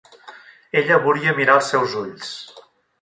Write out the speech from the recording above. Ella volia mirar els seus ulls.